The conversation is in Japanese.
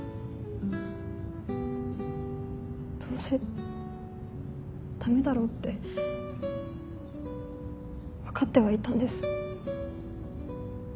どうせ駄目だろうって分かってはいたんです。